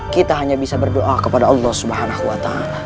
kita hanya bisa berdoa kepada allah swt